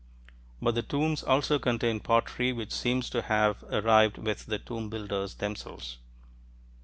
But the tombs also contain pottery which seems to have arrived with the tomb builders themselves.